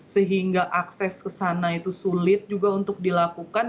sehingga akses ke sana itu sulit juga untuk dilakukan